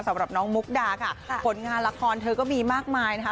สำหรับน้องมุกดาค่ะผลงานละครเธอก็มีมากมายนะคะ